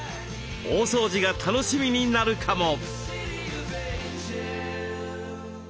大掃除が楽しみになるかも。